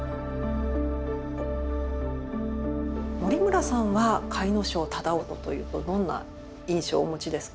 森村さんは甲斐荘楠音というとどんな印象をお持ちですか？